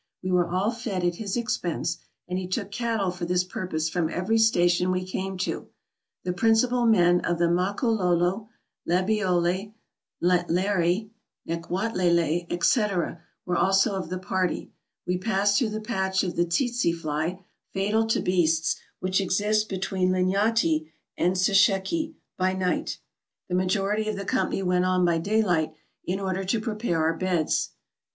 We were all fed at his expense, and he took cattle for this pur pose from every station we came to. The principal men of the Makololo, Lebeole, Ntlarie, Nkwatlele, etc., were also of the party. We passed through the patch of the tsetse fly, fatal to beasts, which exists between Linyanti and Sesheke, by night. The majority of the company went on by day light, in order to prepare our beds.